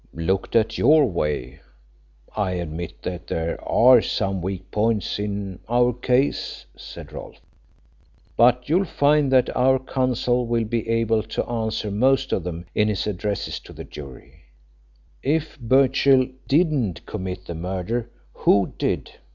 "Looked at your way, I admit that there are some weak points in our case," said Rolfe. "But you'll find that our Counsel will be able to answer most of them in his address to the jury. If Birchill didn't commit the murder, who did?